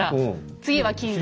次は金だ。